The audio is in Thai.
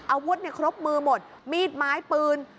อาวุธครบมือหมดมีดไม้ปืน